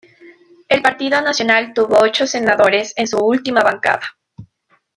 El Partido Nacional tuvo ocho senadores en su última bancada.